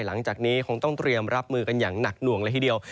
หลังจากนี้คงต้องเตรียมรับมือกันอย่างหนักหน่วงเลยทีเดียว